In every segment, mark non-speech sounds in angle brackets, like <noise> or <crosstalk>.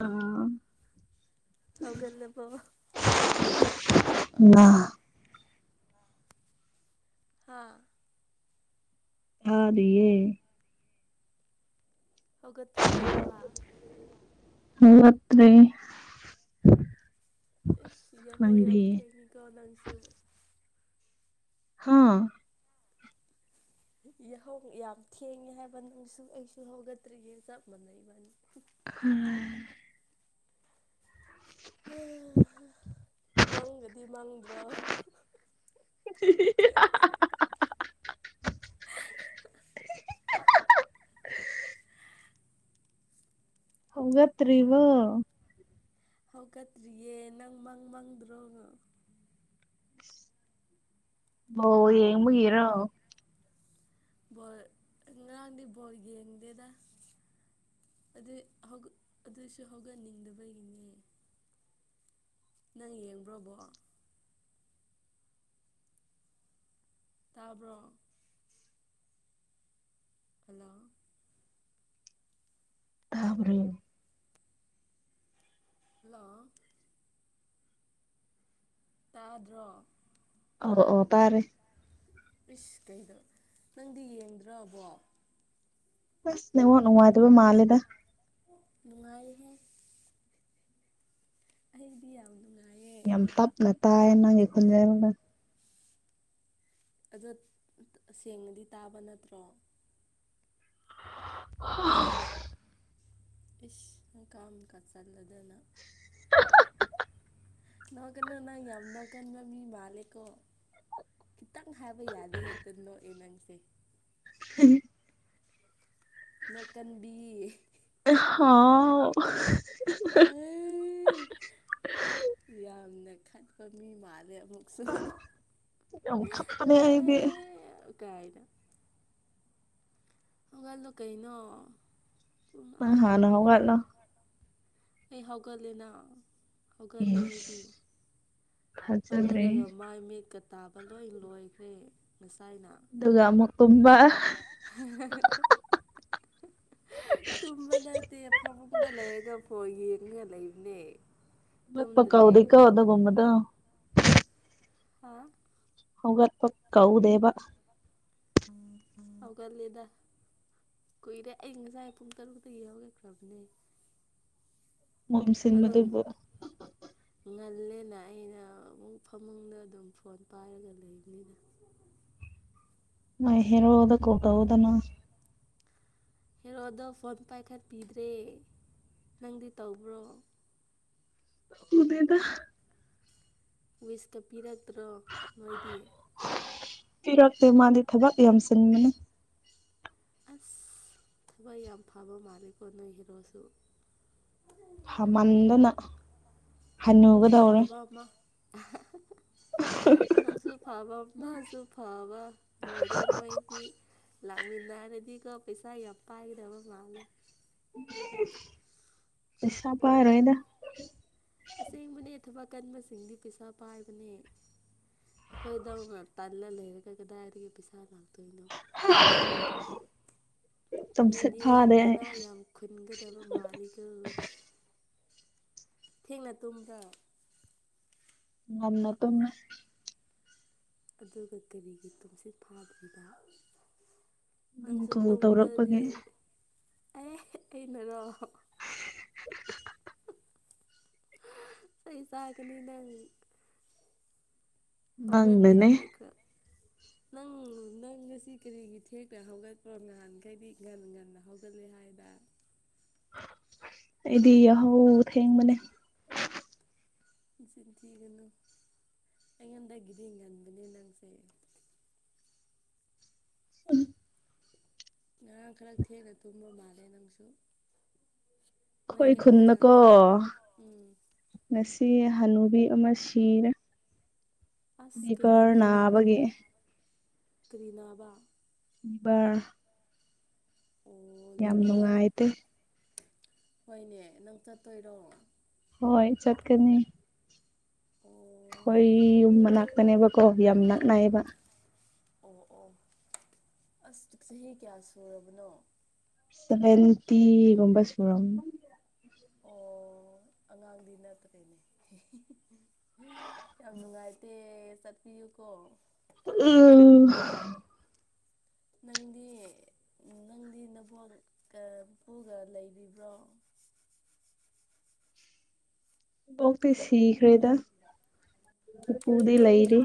ꯑ꯫ ꯍꯧꯒꯠꯂꯕꯣ꯫ ꯅꯥ꯫ ꯍꯥꯥ꯫ ꯊꯥꯔꯤꯌꯦ꯫ ꯍꯧꯒꯠꯇ꯭ꯔꯤꯌꯦ ꯍꯥꯏꯕ꯫ ꯍꯧꯒꯠꯇ꯭ꯔꯤꯌꯦ꯫ ꯏꯁ ꯌꯥꯍꯧ ꯌꯥꯝ ꯊꯦꯡꯉꯤꯀꯣ ꯅꯪꯁꯨ꯫ ꯍꯥꯥ꯫ ꯌꯥꯍꯧ ꯌꯥꯝ ꯊꯦꯡꯉꯦ ꯍꯥꯏꯕ ꯅꯪꯁꯨ ꯑꯩꯁꯨ ꯍꯧꯒꯠꯇ꯭ꯔꯤꯌꯦ ꯆꯞ ꯃꯥꯟꯅꯩ ꯏꯕꯅꯤ꯫ <unintelligible> ꯍꯥ ꯃꯪꯒꯗꯤ ꯃꯪꯗ꯭ꯔꯣ꯫ ꯍꯤ ꯍꯤ꯫ ꯍꯧꯒꯠꯇ꯭ꯔꯤꯕꯣ꯫ ꯍꯧꯒꯠꯇ꯭ꯔꯤꯌꯦ ꯅꯪ ꯃꯪ ꯃꯪꯗ꯭ꯔꯣ ꯑꯣ ꯌꯦꯡꯕꯒꯤꯔꯣ ꯍꯣꯏ ꯉꯔꯥꯡꯗꯤ ꯕꯣꯜ ꯌꯦꯡꯗꯦꯗ ꯑꯗꯨꯏ ꯍꯧꯒꯠ ꯑꯗꯨꯏꯁꯨ ꯍꯧꯒꯠꯅꯤꯡꯗꯕꯒꯤꯅꯦ ꯅꯪ ꯌꯦꯡꯕ꯭ꯔꯣ ꯕꯣꯜ ꯇꯥꯕ꯭ꯔꯣ ꯍꯜꯂꯣ ꯇꯥꯕ꯭ꯔꯣ ꯍꯜꯂꯣ ꯇꯥꯗ꯭ꯔꯣ ꯑꯣ ꯑꯣ ꯇꯥꯔꯦ ꯏꯁ ꯀꯩꯅꯣ ꯅꯪꯗꯤ ꯌꯦꯡꯗ꯭ꯔꯣꯕꯣ ꯑꯁ ꯅꯦꯠꯋꯥꯔ꯭ꯛ ꯅꯨꯡꯉꯥꯏꯇꯕ ꯃꯥꯜꯂꯦꯗ ꯅꯨꯡꯉꯥꯏꯍꯦ ꯑꯩꯗꯤ ꯌꯥꯝ ꯅꯨ ꯌꯥꯝ ꯇꯞꯅ ꯇꯥꯑꯦ ꯅꯪꯒꯤ ꯈꯣꯟꯖꯦꯜꯅ ꯑꯗꯣ ꯁꯦꯡꯅꯗꯤ ꯇꯥꯕ ꯅꯠꯇ꯭ꯔꯣ <unintelligible> ꯏꯁ ꯍꯀꯥꯝ ꯀꯥ ꯆꯠꯂꯗꯅ ꯅꯣꯛꯀꯅꯣ ꯅꯪ ꯌꯥꯝ ꯅꯣꯛꯀꯟꯕ ꯃꯤ ꯃꯥꯂꯦꯀꯣ ꯈꯤꯇꯪ ꯍꯥꯏꯕ ꯌꯥꯗꯦ ꯍꯦꯛꯇ ꯅꯣꯛ ꯑꯦ ꯅꯪꯁꯦ ꯍꯤꯍꯤ ꯅꯣꯛꯀꯟꯕꯤ ꯍꯥꯎ ꯑꯩ ꯌꯥꯝꯅ ꯈꯠꯄ ꯃꯤ ꯃꯥꯜꯂꯦ ꯑꯃꯨꯛ ꯑꯥ ꯌꯥꯝ ꯈꯠꯄꯅꯦ ꯑꯩꯗꯤ ꯀꯥꯏꯗ ꯍꯧꯒꯠꯂꯣ ꯀꯩꯅꯣ ꯄꯨꯡ ꯅꯪ ꯑꯥ ꯍꯥꯟꯅ ꯇꯥꯈ꯭ꯔꯦ ꯍꯧꯒꯠꯂꯣ ꯑꯩ ꯍꯧꯒꯠꯂꯦꯅꯥ ꯍꯧꯒꯠꯂꯦ ꯏꯁ ꯑꯩꯗꯤ ꯊꯥꯖꯗ꯭ꯔꯦ ꯍꯧꯒꯠꯂꯒ ꯃꯥꯏ ꯃꯤꯠꯀ ꯇꯥꯕ ꯂꯣꯏ ꯂꯣꯏꯈ꯭ꯔꯦ ꯉꯁꯥꯏꯅ ꯑꯗꯨꯒ ꯑꯃꯨꯛ ꯇꯨꯝꯕ <unintelligible> ꯇꯨꯝꯕ ꯅꯠꯇꯦ ꯐꯃꯨꯡꯗ ꯂꯩꯔꯒ ꯐꯣꯟ ꯌꯦꯡꯉꯒ ꯂꯩꯕꯅꯦ ꯍꯧꯒꯠꯄ ꯇꯨꯝꯗ꯭ꯔꯦ ꯀꯧꯗꯦꯀꯣ ꯑꯗꯨꯒꯨꯝꯕꯗꯣ ꯍꯥꯥ ꯍꯧꯒꯠꯄ ꯀꯧꯗꯦꯕ ꯍꯧꯒꯠꯂꯦꯗ ꯀꯨꯏꯔꯦ ꯑꯩ ꯉꯁꯥꯏ ꯄꯨꯡ ꯇꯔꯨꯛꯇꯒꯤ ꯍꯧꯒꯠꯈ꯭ꯔꯕꯅꯦ ꯃꯣꯝ ꯑꯗꯣ ꯁꯤꯟꯕꯗꯨꯕꯨ ꯉꯜꯂꯦꯅ ꯑꯩꯅ ꯑꯃꯨꯛ ꯐꯃꯨꯡꯗ ꯑꯗꯨꯝ ꯐꯣꯟ ꯄꯥꯏꯔꯒ ꯂꯩꯕꯅꯤꯅ ꯅꯣꯏ ꯍꯦꯔꯣꯗ ꯀꯣꯜ ꯇꯧꯑꯣꯗꯅꯥ ꯍꯦꯔꯣꯗꯣ ꯐꯣꯟ ꯄꯥꯏꯈꯠꯄꯤꯗ꯭ꯔꯦ ꯅꯪꯗꯤ ꯇꯧꯕ꯭ꯔꯣ ꯇꯧꯗꯦꯗ ꯋꯤꯁꯀ ꯄꯤꯔꯛꯇ꯭ꯔꯣ ꯅꯣꯏꯗꯤ ꯄꯤꯔꯛꯇꯦ ꯃꯥꯗꯤ ꯊꯕꯛ ꯌꯥꯝ ꯆꯤꯟꯕꯅꯦ ꯑꯁ ꯊꯕꯛ ꯌꯥꯝ ꯐꯕ ꯃꯥꯜꯂꯦꯀꯣ ꯅꯣꯏ ꯍꯦꯔꯣꯁꯨ ꯐꯃꯟꯗꯅ ꯅꯪꯁꯨ ꯐꯕ ꯑꯃ <unintelligible> ꯅꯪꯁꯨ ꯐꯕ ꯃꯥꯁꯨ ꯐꯕ ꯂꯣꯏꯔꯦ ꯅꯣꯏꯗꯤ ꯂꯥꯛꯃꯤꯟꯅꯔꯗꯤꯒꯣ ꯄꯩꯁꯥ ꯌꯥꯝ ꯄꯥꯏꯒꯗꯕ ꯃꯥꯜꯂꯦ ꯄꯩꯁꯥ ꯄꯥꯢꯔꯣꯢꯗ ꯑꯁꯦꯡꯕꯅꯦ ꯊꯕꯛ ꯀꯟꯕꯁꯤꯡꯗꯤ ꯄꯩꯁꯥ ꯄꯥꯏꯕꯅꯦ ꯑꯩꯈꯣꯏꯗꯧꯅ ꯇꯜꯂ ꯂꯩꯔꯒ ꯀꯗꯥꯏꯗꯒꯤ ꯄꯩꯁꯥ ꯅꯣꯅꯦ ꯇꯣꯏꯅꯣ ꯇꯨꯝꯁꯤꯠ ꯃꯤꯗꯤ ꯐꯥꯗꯦ ꯑꯩ ꯏꯅꯥ ꯌꯥꯝ ꯈꯨꯟꯒꯗꯕ ꯃꯥꯜꯂꯤꯒꯣ ꯊꯦꯡꯅ ꯇꯨꯝꯕ꯭ꯔꯥ ꯉꯟꯅ ꯇꯨꯃꯦ ꯑꯗꯨꯒ ꯀꯔꯤꯒꯤ ꯇꯨꯡꯁꯤꯠ ꯐꯥꯗ꯭ꯔꯤꯕ ꯅꯪ ꯅꯪꯁꯨ ꯀꯣꯜ ꯇꯨꯝꯕꯗꯤ ꯇꯧꯔꯛꯄꯒꯤ ꯑꯦ ꯑꯩꯅꯔꯣ ꯆꯩ ꯆꯥꯒꯅꯤ ꯅꯪ ꯍꯧꯒꯠꯇꯤ ꯅꯪꯅꯅꯦ ꯍꯧꯒꯠꯈ꯭ꯔꯦ ꯅꯪ ꯅꯪ ꯉꯁꯤ ꯀꯔꯤꯒꯤ ꯊꯦꯛꯅ ꯍꯧꯒꯠꯄ꯭ꯔꯣ ꯅꯍꯥꯟꯈꯩꯗꯤ ꯉꯒꯟ ꯉꯟꯅ ꯍꯧꯒꯠꯂꯦ ꯍꯥꯏꯗꯅ ꯑꯩꯗꯤ ꯌꯥꯍꯧ ꯊꯦꯡꯕꯅꯦ ꯅꯆꯤꯟꯊꯤꯒꯅꯨ ꯑꯩꯉꯣꯟꯗꯒꯤꯗꯤ ꯉꯟꯕꯅꯦ ꯅꯪꯁꯦ ꯎꯝ ꯉꯔꯥꯡ ꯈꯔ ꯊꯦꯡꯅ ꯇꯨꯝꯕ ꯃꯥꯜꯂꯦ ꯅꯪꯁꯨ ꯅꯣꯏ ꯑꯩꯈꯣꯏ ꯍꯤꯔꯣꯗ ꯈꯨꯟꯗꯀꯣ ꯇꯨꯝ ꯉꯁꯤ ꯍꯅꯨꯕꯤ ꯑꯃ ꯁꯤꯔꯦ ꯑꯁ ꯂꯤꯚꯔ ꯀꯩꯗꯧꯕꯒꯤꯔꯣ ꯅꯥꯕꯒꯤ ꯀꯔꯤꯅꯥꯕ ꯂꯤꯕꯔ ꯑꯣ ꯂꯤꯚꯔ ꯅꯨꯡꯉꯥꯏꯇꯦ ꯍꯣꯏꯅꯦ ꯅꯪ ꯆꯠꯇꯣꯏꯔꯣ ꯍꯣꯏ ꯆꯠꯀꯅꯤ ꯑꯣ ꯑꯈꯣꯏ ꯌꯨꯝ ꯃꯅꯥꯛꯇꯅꯦꯕꯀꯣ ꯌꯥꯝ ꯅꯥꯛ ꯅꯥꯏꯌꯦꯕ ꯑꯣ ꯑꯣ ꯑꯁ ꯆꯍꯤ ꯀꯌꯥ ꯁꯨꯔꯕꯅꯣ ꯁꯕꯦꯟꯇꯤꯒꯨꯝꯕ ꯁꯨꯔꯝ ꯑꯣ ꯑꯉꯥꯡꯗꯤ ꯅꯠꯇ꯭ꯔꯦꯅꯦ ꯌꯥꯝ ꯅꯨꯡꯉꯥꯏꯇꯦ ꯆꯠꯄꯤꯌꯨꯀꯣ ꯎꯝ ꯅꯪꯗꯤ ꯅꯪꯗꯤ ꯅꯕꯣꯛ ꯅ ꯄꯨꯨꯒ ꯂꯩꯔꯤꯕ꯭ꯔꯣ ꯕꯣꯛꯇꯤ ꯁꯤꯈ꯭ꯔꯦꯗ ꯢꯄꯨꯗꯤ ꯂꯩꯔꯤ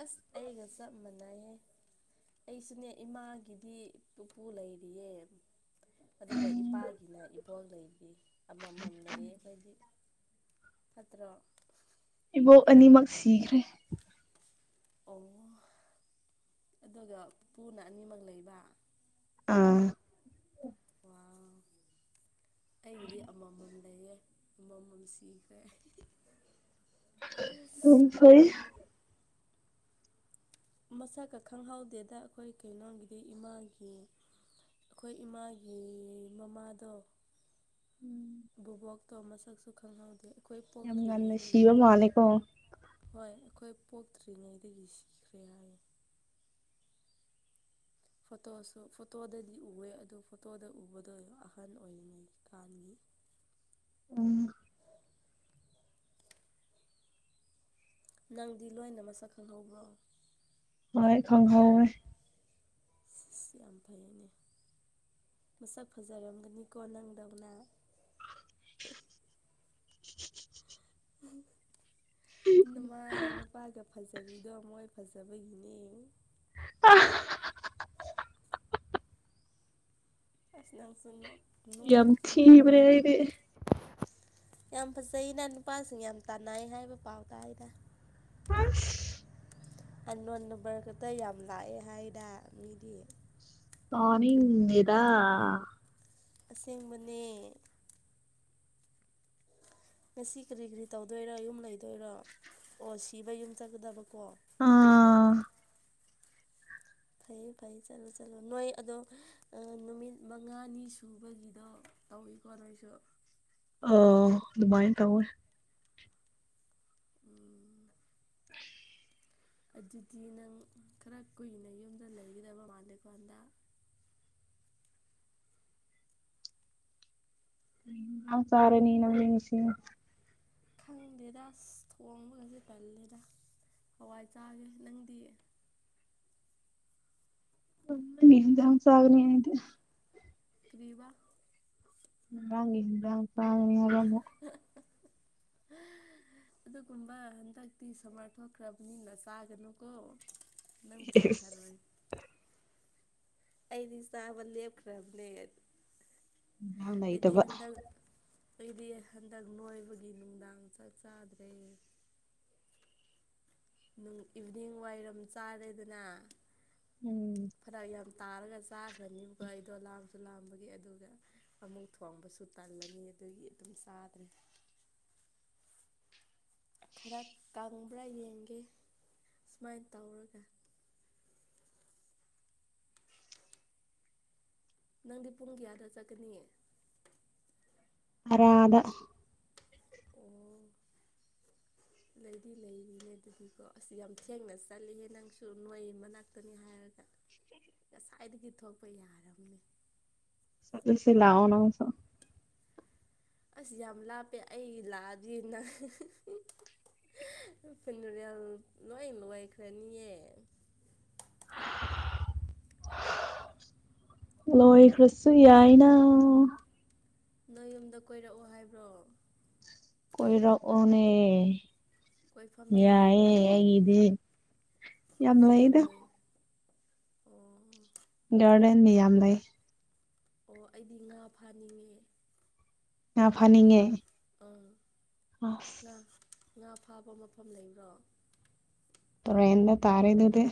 ꯑꯁ ꯑꯩꯒ ꯆꯞ ꯃꯥꯟꯅꯩꯍꯦ ꯑꯩꯁꯨꯅꯦ ꯏꯃꯥꯒꯤꯗꯤ ꯄꯨꯄꯨ ꯂꯩꯔꯤꯌꯦ ꯑꯗꯨꯒ ꯏꯄꯥꯒꯤꯅ ꯏꯕꯣꯛ ꯂꯩꯩꯔꯤ ꯑꯃꯃꯝ ꯂꯩꯌꯦ ꯑꯩꯈꯣꯏꯗꯤ ꯐꯠꯇ꯭ꯔꯣ ꯏꯕꯣꯛ ꯑꯅꯤꯃꯛ ꯁꯤꯈ꯭ꯔꯦ ꯑꯣ ꯑꯗꯨꯒ ꯄꯨꯄꯨꯅ ꯑꯅꯤꯃꯛ ꯂꯩꯕ ꯑꯎ ꯋꯥꯎ ꯑꯩꯒꯤꯗꯤ ꯑꯃꯃꯝ ꯂꯩꯌꯦ ꯑꯃꯃꯝ ꯁꯤꯈ꯭ꯔꯦ ꯐꯩ ꯃꯁꯛꯀ ꯈꯪꯍꯧꯗꯦꯗ ꯑꯩꯈꯣꯏ ꯀꯩꯅꯣꯒꯤꯗꯤ ꯏꯃꯥꯒꯤ ꯑꯩꯈꯣꯏ ꯏꯃꯥꯒꯤ ꯃꯃꯥꯗꯣ ꯕꯣꯕꯣꯛꯇꯣ ꯃꯁꯛꯁꯨ ꯈꯪꯍꯧꯗꯦ ꯑꯩꯈꯣꯏ ꯌꯥꯝ ꯉꯟꯅ ꯄꯣꯛꯇ꯭ꯔꯤꯉꯩꯗꯒꯤ ꯁꯤꯕ ꯃꯥꯜꯂꯦꯀꯣ ꯍꯣꯏ ꯑꯩꯈꯣꯏ ꯄꯣꯛꯇ꯭ꯔꯤꯉꯩꯗꯒꯤ ꯁꯤꯈ꯭ꯔꯦ ꯍꯥꯏꯔꯦ ꯐꯣꯇꯣꯁꯨ ꯐꯣꯇꯣꯗꯗꯤ ꯎꯑꯦ ꯑꯗꯨ ꯐꯣꯇꯣꯗ ꯎꯕꯗꯣ ꯑꯍꯟ ꯑꯣꯏꯔꯤꯉꯩ ꯀꯥꯟꯒꯤ ꯎꯝ ꯅꯪꯗꯤ ꯂꯣꯏꯅ ꯃꯁꯛ ꯈꯪꯍꯧꯕ꯭ꯔꯣ ꯍꯣꯏ ꯈꯪꯍꯧꯋꯦ ꯑꯁ ꯌꯥꯝ ꯐꯩꯅꯦ ꯃꯁꯛ ꯐꯖꯔꯝꯒꯅꯤꯀꯣ ꯅꯪꯗꯧꯅ ꯅꯃꯥꯒ ꯅꯨꯄꯥꯒ ꯐꯖꯔꯤꯗꯣ ꯃꯣꯏ ꯐꯖꯕꯒꯤꯅꯦ ꯑ <unintelligible> ꯑꯁ ꯅꯪꯁꯨ ꯅꯣꯛ ꯅꯣꯛ ꯌꯥꯝ ꯅꯣꯛ ꯊꯤꯕꯔꯦ ꯑꯩꯗꯤ ꯌꯥꯝ ꯐꯖꯩꯩꯅ ꯅꯨꯄꯥꯁꯤꯡ ꯌꯥꯝ ꯇꯥꯟꯅꯩ ꯍꯥꯏꯕ ꯄꯥꯎ ꯇꯥꯏꯗ ꯍꯥꯁ ꯑꯟ ꯅꯣꯟ ꯅꯝꯕꯔ ꯈꯛꯇ ꯌꯥꯝ ꯂꯥꯛꯑꯦ ꯍꯥꯏꯗ ꯃꯤꯗꯤ ꯇꯥꯅꯤꯡꯗꯦꯗ ꯑꯁꯦꯡꯕꯅꯦ ꯉꯁꯤ ꯀꯔꯤ ꯀꯔꯤ ꯇꯧꯗꯣꯏꯔꯣ ꯌꯨꯝ ꯂꯩꯗꯣꯏꯔꯣ ꯑꯣ ꯁꯤꯕꯩ ꯌꯨꯝ ꯆꯠꯀꯗꯕꯀꯣ ꯑꯥ ꯐꯩꯌꯦ ꯐꯩꯌꯦ ꯆꯠꯂꯣ ꯆꯠꯂꯣ ꯅꯣꯏ ꯑꯗꯣ ꯅꯨꯃꯤꯠ ꯃꯉꯥꯅꯤ ꯁꯨꯕꯒꯤꯗꯣ ꯇꯧꯏꯀꯣ ꯅꯣꯏꯁꯨ ꯑꯣ ꯗꯨꯃꯥꯏ ꯇꯧꯋꯦ ꯎꯝ ꯑꯗꯨꯗꯤ ꯅꯪ ꯈꯔ ꯀꯨꯏꯅ ꯌꯨꯝꯗ ꯂꯩꯒꯗꯕ ꯃꯥꯜꯂꯦꯀꯣ ꯍꯟꯗꯛ ꯑ ꯆꯥꯔꯅꯤ ꯅꯃꯦꯡ ꯉꯁꯤ ꯈꯪꯗꯦꯗ ꯑꯁ ꯊꯣꯡꯕꯒꯁꯦ ꯇꯜꯂꯦꯗ ꯍꯋꯥꯏ ꯆꯥꯒꯦ ꯅꯪꯗꯤ ꯃꯤ ꯍꯤꯟꯖꯥꯡ ꯆꯥꯒꯅꯤ ꯑꯩꯗꯤ ꯀ꯭ꯔꯤꯕ ꯉꯔꯥꯡꯒꯤ ꯍꯤꯟꯖꯥꯡ ꯆꯥꯒꯅꯤ ꯍꯥꯏꯕ ꯑꯃꯨꯛ <unintelligible> ꯑꯗꯨꯒꯨꯝꯕ ꯍꯟꯗꯛꯇꯤ ꯁꯃꯥꯔ ꯊꯣꯛꯈ꯭ꯔꯕꯅꯤꯅ ꯆꯥꯒꯅꯨ ꯀꯣ ꯅꯪ ꯄꯨꯛ ꯐꯂꯣꯏ ꯏꯟꯖꯥꯡ ꯑꯩꯗꯤ ꯆꯥꯕ ꯂꯦꯞꯈ꯭ꯔꯕꯅꯦ ꯑꯩꯗꯤ ꯂꯩꯇꯕ ꯍꯟꯗꯛ ꯑꯩꯗꯤ ꯍꯟꯗꯛ ꯅꯣꯏꯕꯒꯤ ꯅꯨꯡꯗꯥꯡ ꯆꯥꯛ ꯆꯥꯗ꯭ꯔꯦ ꯅꯨꯡ ꯏꯚꯤꯅꯤꯡ ꯋꯥꯏꯔꯝ ꯆꯥꯔꯦꯗꯅ ꯎꯝ ꯐꯔꯛ ꯌꯥꯝ ꯇꯥꯔꯒ ꯆꯥꯈ꯭ꯔꯅꯤꯕꯀꯣ ꯑꯩꯗꯣ ꯂꯥꯝ ꯂꯥꯝꯕꯒꯤ ꯑꯗꯨꯒ ꯑꯃꯨꯛ ꯊꯣꯡꯕꯁꯨ ꯇꯜꯂꯅꯤ ꯑꯗꯨꯒꯤ ꯑꯗꯨꯝ ꯆꯥꯗ꯭ꯔꯦ ꯈꯔ ꯀꯪꯕ꯭ꯔꯥ ꯌꯦꯡꯒꯦ ꯁꯨꯃꯥꯏꯟ ꯇꯧꯔꯒ ꯅꯪꯗꯤ ꯄꯨꯡ ꯀꯌꯥꯗ ꯆꯠꯀꯅꯤ ꯑꯔꯥꯗ ꯑꯣ ꯂꯩꯗꯤ ꯂꯩꯔꯤꯅꯦ ꯑꯗꯨꯗꯤꯀꯣ ꯑꯁ ꯌꯥꯝ ꯊꯦꯡꯅ ꯆꯠꯂꯤꯍꯦ ꯅꯪꯁꯨ ꯅꯣꯏ ꯃꯅꯥꯛꯇꯅꯤ ꯍꯥꯏꯔꯒ ꯉꯁꯥꯏꯗꯒꯤ ꯊꯣꯛꯄ ꯌꯥꯔꯕꯅꯤ ꯆꯠꯂꯁꯤ ꯂꯥꯛꯑꯣ ꯅꯪꯁꯨ ꯑꯁ ꯌꯥꯝ ꯂꯥꯞꯄꯦ ꯑꯩ ꯂꯥꯛꯑꯗꯤ ꯅꯪ ꯐꯤꯅꯨꯔꯦꯜ ꯂꯣꯏ ꯂꯣꯏꯈ꯭ꯔꯅꯤꯌꯦ <unintelligible> ꯂꯣꯏꯈ꯭ꯔꯁꯨ ꯌꯥꯏꯅ ꯅꯣꯏ ꯌꯨꯝꯗ ꯀꯣꯏꯔꯛꯎ ꯍꯥꯏꯕ꯭ꯔꯣ ꯀꯣꯏꯔꯛꯑꯣꯅꯦ ꯀꯣꯏꯐꯝ ꯌꯥꯝ ꯂꯩꯕ꯭ꯔꯣ ꯌꯥꯏꯑꯌꯦ ꯑꯩꯒꯤꯗꯤ ꯀꯣꯏꯐꯝ ꯌꯥꯝ ꯂꯩ ꯑꯣ ꯒꯥꯔꯗꯦꯟꯗꯤ ꯌꯥꯝ ꯂꯩ ꯑꯣ ꯑꯩꯗꯤ ꯉꯥ ꯐꯥꯅꯤꯡꯉꯦ ꯉꯥ ꯐꯥꯅꯤꯡꯉꯦ ꯑꯥ ꯑꯁ ꯉꯥ ꯉꯥ ꯐꯥꯕ ꯃꯐꯝ ꯂꯩꯕ꯭ꯔꯣ ꯇꯨꯔꯦꯟꯗ ꯇꯥꯔꯦ ꯗꯨꯗꯤ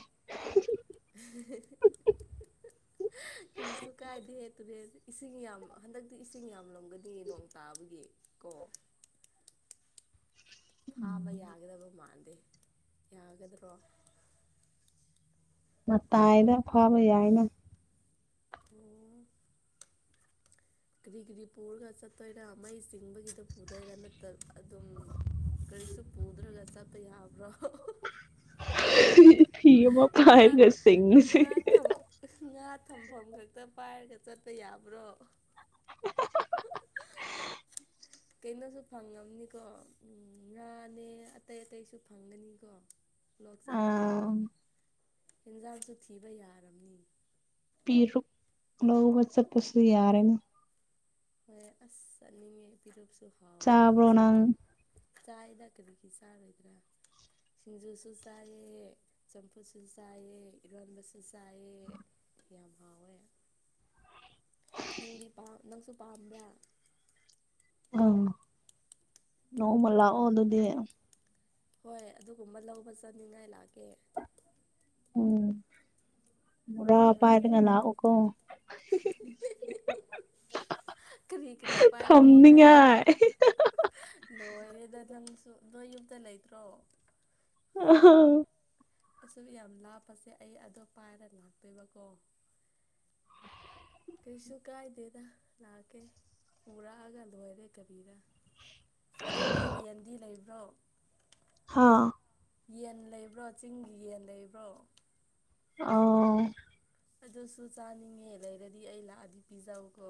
<inaudible> <inaudible> ꯀꯔꯤꯁꯨ ꯀꯥꯏꯗꯦ ꯇꯨꯨꯔꯦꯟ ꯏꯁꯤꯡ ꯌꯥꯝ ꯍꯟꯗꯛꯇꯤ ꯏꯁꯤꯡ ꯌꯥꯝꯂꯝꯒꯅꯤꯌꯦ ꯅꯣꯡ ꯇꯥꯕꯒꯤ ꯀꯣ ꯐꯥꯕ ꯌꯥꯒꯗꯕ ꯃꯥꯟꯗꯦ ꯌꯥꯒꯗ꯭ꯔꯣ ꯃꯇꯥꯏꯗ ꯐꯥꯕ ꯌꯥꯏꯅ ꯑꯣ ꯀꯔꯤꯀꯔꯤ ꯄꯨꯔꯒ ꯆꯠꯇꯣꯏꯔꯥ ꯃꯩ ꯆꯤꯡꯕꯒꯤꯗ‌ꯣ ꯄꯨꯗꯣꯏꯔꯥ ꯅꯠꯇ ꯑꯗꯨꯝ ꯀꯔꯤꯁꯨ ꯄꯨꯗ꯭ꯔꯒ ꯆꯠꯄꯥ ꯌꯥꯕ꯭ꯔꯣ ꯐꯤ ꯑꯃ ꯉꯥ ꯄꯥꯏꯔꯒ ꯆꯤꯡꯉꯁꯤ ꯉꯥ ꯊꯝ ꯉꯥ ꯊꯝꯐꯝ ꯈꯛꯇ ꯄꯥꯏꯔꯒ ꯆꯠꯄ ꯌꯥꯕ꯭ꯔꯣ <inaudible> <inaudible> ꯀꯩꯅꯣꯁꯨ ꯐꯪꯉꯝꯅꯤꯀꯣ ꯎꯝ ꯉꯥꯅꯦ ꯑꯇꯩ ꯑꯇꯩꯁꯨ ꯐꯪꯒꯅꯤꯀꯣ ꯂꯣꯛ ꯆꯠꯂꯗꯤ ꯑꯥ ꯑꯦꯟꯖꯥꯡꯁꯨ ꯊꯤꯕ ꯌꯥꯔꯕꯅꯤ ꯄꯤꯔꯨꯛ ꯂꯧꯕ ꯆꯠꯄꯁꯨ ꯌꯥꯔꯅꯤ ꯍꯣꯏ ꯑꯁ ꯆꯠꯅꯤꯡꯉꯦ ꯄꯤꯔꯨꯛꯁꯨ ꯍꯥꯎꯕꯅꯦꯍ‌ꯦ ꯆꯥꯕ꯭ꯔꯣ ꯅꯪ ꯁꯤꯡꯖꯨ ꯆꯥꯏꯗ ꯀꯔꯤꯒꯤ ꯆꯥꯔꯣꯏꯗ꯭ꯔꯥ ꯁꯤꯡꯖꯨꯁꯨ ꯆꯥꯏꯌ‌ꯦ ꯆꯝꯐꯨꯠꯁꯨ ꯆꯥꯏꯌ‌ꯦ ꯏꯔꯣꯟꯕꯁꯨ ꯆꯥꯏꯌ‌ꯦ ꯌꯥꯝ ꯍꯥꯎꯋꯦ ꯅꯪꯗꯤ ꯄꯥꯝ ꯅꯪꯁꯨ ꯄꯥꯝꯕ꯭ꯔꯥ ꯑꯝ ꯅꯣꯡꯃ ꯂꯥꯛꯑꯣ ꯑꯗꯨꯗꯤ ꯍꯣꯏ ꯑꯗꯨꯒꯨꯝꯕ ꯂꯧꯕ ꯆꯥꯅꯤꯡꯉꯥꯏ ꯂꯥꯛꯀꯦ ꯎꯝ ꯃ‌ꯣꯔꯥ ꯅꯨꯡꯉꯥꯏ ꯄꯥꯏꯔꯒ ꯂꯥꯛꯎꯀꯣ ꯀꯔꯤ ꯀꯔꯤ ꯄꯥꯏꯔꯛꯑꯣ ꯍꯥꯏꯕ꯭ꯔꯥ ꯂ‌ꯣꯏꯔꯦꯗ ꯅꯪꯁꯨ ꯅꯣꯏ ꯌꯨꯝꯗ ꯂꯩꯇ꯭ꯔꯣ ꯑꯣ ꯑꯁꯨꯛ ꯌꯥꯝ ꯂꯥꯞꯄꯁꯦ ꯑꯩ ꯑꯗꯣ ꯄꯥꯏꯔ ꯂꯥꯛꯇꯣꯏꯕꯀꯣ ꯀꯩꯁꯨ ꯀꯥꯏꯗꯦꯗ ꯂꯥꯛꯀꯦ ꯄꯨꯔꯛꯑꯒ ꯂꯣꯏꯔꯦ ꯀꯔꯤꯔꯥ ꯑꯗ‌ꯣ ꯅꯣꯏ ꯌꯦꯟꯗꯤ ꯂꯩꯕ꯭ꯔꯣ ꯍꯥꯥ ꯌꯦꯟ ꯂꯩꯕ꯭ꯔꯣ ꯆꯤꯡꯒꯤ ꯌꯦꯟ ꯂꯩꯕ꯭ꯔꯣ ꯑ ꯑꯗꯨꯁꯨ ꯆꯥꯅꯤꯡꯉꯦ ꯂꯩꯔꯗꯤ ꯑꯩ ꯂꯥꯛꯑꯗꯤ ꯄꯤꯖꯧꯀꯣ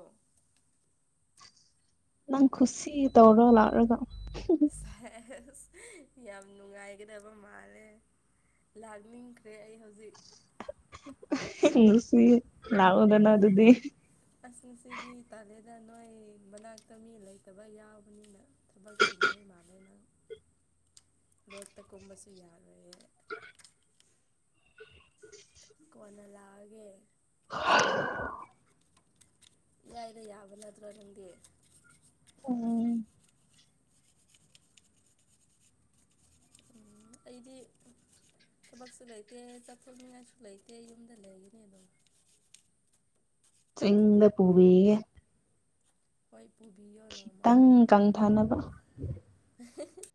ꯅꯪ ꯈꯨꯁꯤ ꯇꯧꯔꯣ ꯂꯥꯛꯔꯒ ꯑꯁ ꯌꯥꯝ ꯅꯨꯡꯉꯥꯏꯒꯗꯕ ꯃꯥꯜꯂꯦ ꯂꯥꯛꯅꯤꯡꯈ꯭ꯔꯦ ꯑꯩ ꯍꯧꯖꯤꯛ ꯅꯨꯨꯁꯤ ꯂꯥꯑꯣꯗꯅ ꯗꯨꯗꯤ ꯑꯁ ꯉꯁꯤꯗꯤ ꯇꯥꯜꯂꯦꯗ ꯅꯣꯏ ꯃꯅꯥꯛꯇ ꯃꯤ ꯂꯩꯇꯕ ꯌꯥꯎꯕꯅꯤꯅ ꯊꯕꯛ ꯆꯤꯟꯗꯣꯏ ꯃꯥꯜꯂꯦ ꯅꯪ ꯂꯣꯛꯇ ꯀꯨꯝꯕꯁꯨ ꯌꯥꯔꯣꯏꯌꯦ ꯀ‌ꯣꯟꯅ ꯂꯥꯛꯑꯒꯦ ꯍ ꯌꯥꯏꯗ ꯌꯥꯕ ꯅꯠꯇ꯭ꯔꯣ ꯅꯪꯗꯤ ꯎꯝ ꯑꯩꯗꯤ ꯊꯕꯛꯁꯨ ꯂꯩꯇꯦ ꯆꯥꯛꯈꯨꯅꯤꯡꯉꯥꯏꯁꯨ ꯂꯩꯇꯦ ꯌꯨꯝꯗ ꯂꯩꯒꯤꯅꯦ ꯑꯗꯨꯝ ꯆꯗ ꯄꯨꯕꯤ ꯑꯩꯣꯏ ꯄꯨꯕꯤꯌ ꯈꯤꯇꯪ ꯀꯥꯡꯪꯊꯥꯅꯕ <inaudible>